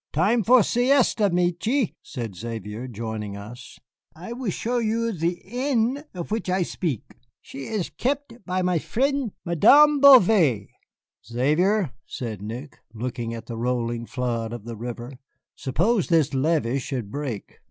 "Time for siesta, Michié," said Xavier, joining us; "I will show you ze inn of which I spik. She is kep' by my fren', Madame Bouvet." "Xavier," said Nick, looking at the rolling flood of the river, "suppose this levee should break?"